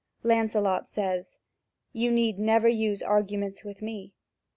Lancelot says: "You need never use arguments with me.